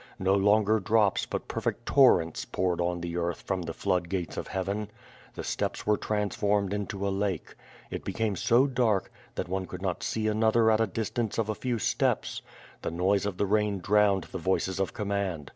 No lon ger drops but perfect torrents poured on the earth from the Hood gates of Heaven. The steppes were transformed into a lake. It became so dark, that one could not see another at a distance of a few steps. The noise of the rain drowned the voices of command.